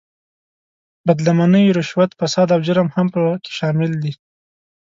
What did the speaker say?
بد لمنۍ، رشوت، فساد او جرم هم په کې شامل دي.